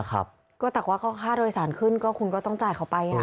แต่ว่าค่าโดยสารขึ้นก็คุณก็ต้องจ่ายเขาไป